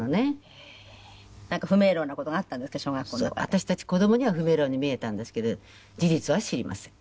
私たち子どもには不明朗に見えたんですけど事実は知りません。